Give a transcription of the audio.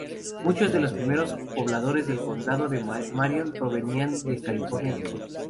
Muchos de los primeros pobladores del Condado de Marion provenían de Carolina del Sur.